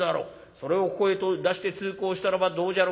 それをここへ出して通行したらばどうじゃろけ」。